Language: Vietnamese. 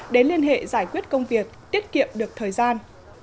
để liên hệ giải quyết công việc tiết kiệm được thời gian